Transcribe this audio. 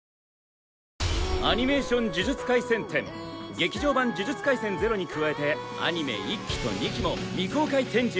「劇場版呪術廻戦０」に加えてアニメ１期と２期も未公開展示をお披露目！